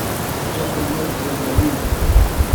Fiḥel ma tzellmem-iyi-d.